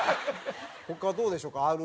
他どうでしょうか？